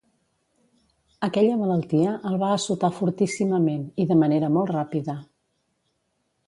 Aquella malaltia el va assotar fortíssimament i de manera molt ràpida.